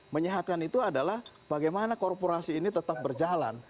menyehatkan itu adalah bagaimana korporasi ini tetap berjalan